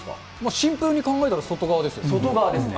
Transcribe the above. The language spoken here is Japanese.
シンプルに考えたら、外側で外側ですね。